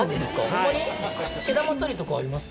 毛玉取りとかあります？